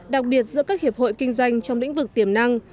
đặc biệt giữa các hiệp hội kinh doanh trong lĩnh vực tiềm năng